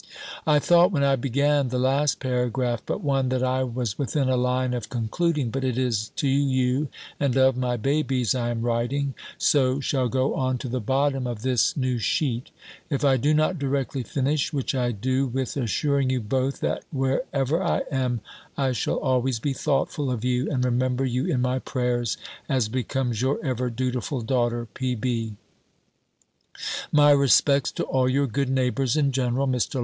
I thought, when I began the last paragraph but one, that I was within a line of concluding; but it is to you, and of my babies, I am writing; so shall go on to the bottom of this new sheet, if I do not directly finish: which I do, with assuring you both, that wherever I am, I shall always be thoughtful of you, and remember you in my prayers, as becomes your ever dutiful daughter, P.B. My respects to all your good neighbours in general. Mr.